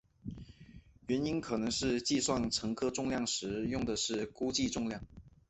原因可能是计算乘客重量时用的是估计重量。